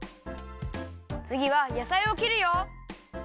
つぎはやさいをきるよ！